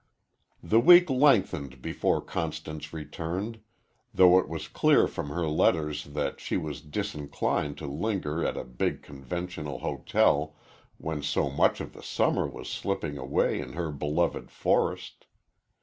The week lengthened before Constance returned, though it was clear from her letters that she was disinclined to linger at a big conventional hotel, when so much of the summer was slipping away in her beloved forest.